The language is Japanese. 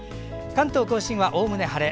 関東・甲信はおおむね晴れ。